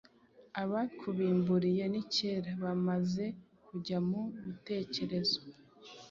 Abakubimburiye ni kera Bamaze kujya mu bitekerezo.